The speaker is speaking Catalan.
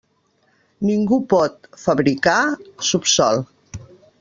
Ningú pot «fabricar» subsòl.